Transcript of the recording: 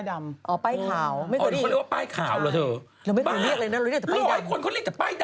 เอาชาวที่มีปรับตัวไปปรับตัวกันไป